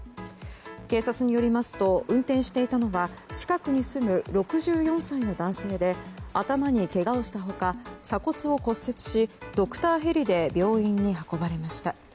警察によりますと運転していたのは近くに住む６４歳の男性で頭にけがをした他鎖骨を骨折しドクターヘリで病院に運ばれました。